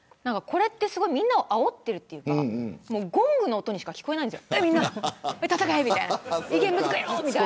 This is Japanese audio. みんなを、あおっているというかゴングの音にしか聞こえないんです。